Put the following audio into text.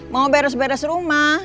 mau beres beres rumah